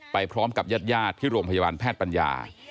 พร้อมกับญาติที่โรงพยาบาลแพทย์ปัญญา